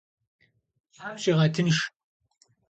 Them şiğetınşş!